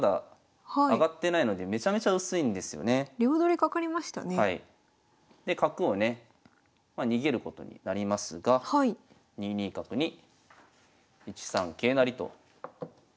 で角をね逃げることになりますが２二角に１三桂成と攻めていきます。